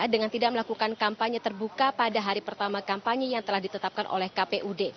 dengan tidak melakukan kampanye terbuka pada hari pertama kampanye yang telah ditetapkan oleh kpud